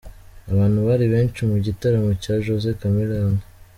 Abantu bari benshi mu gitaramo cya Jose Chameleone.